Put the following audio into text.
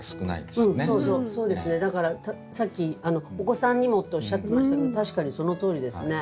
だからさっき「お子さんにも」っておっしゃってましたけど確かにそのとおりですね。